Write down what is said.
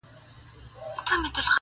دا ته څنګه راپسې وې په تیاره کي-